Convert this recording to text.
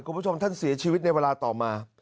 คุณผู้ชมท่านเสียชีวิตในเวลาต่อมา